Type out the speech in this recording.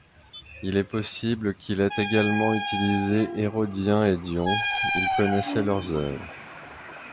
Il est possible qu'il ait également utilisé Hérodien et Dion, il connaissait leurs œuvres.